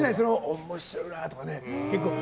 面白いなとか。